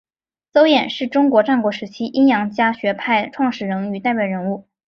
邹衍是中国战国时期阴阳家学派创始者与代表人物。